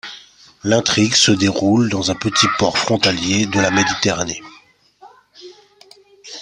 L'intrigue se déroule dans un petit port frontalier de la Méditerranée.